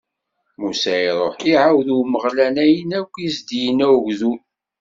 Musa iṛuḥ, iɛawed i Umeɣlal ayen akken i s-d-inna ugdud.